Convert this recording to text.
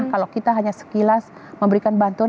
kalau kita hanya sekilas memberikan bantuan